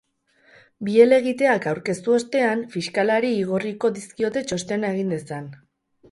Bi helegiteak aurkeztu ostean, fiskalari igorriko dizkiote txostena egin dezan.